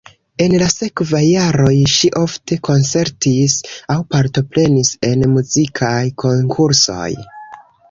En la sekvaj jaroj ŝi ofte koncertis aŭ partoprenis en muzikaj konkursoj.